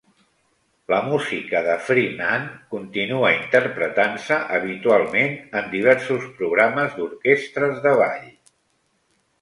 La música de Freeman continua interpretant-se habitualment en diversos programes d'orquestres de ball.